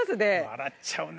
笑っちゃうね。